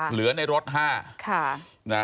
เหลือในรถ๕